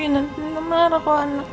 nanti nino marah kalau anak